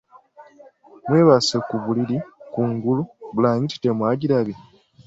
Mwebase ku buliri kungulu bulangiti temwagirabye?